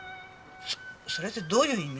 それってどういう意味？